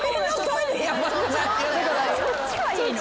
そっちはいいの？